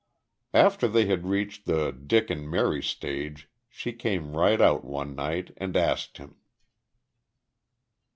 After they had reached the "Dick and Mary" stage she came right out one night and asked him.